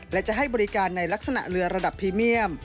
และจะให้บริการในลักษณะเรือระดับพรีเมียม